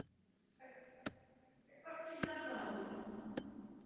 Na řezu mírně modrá.